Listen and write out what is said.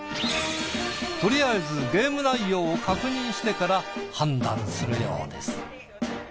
とりあえずゲーム内容を確認してから判断するようです。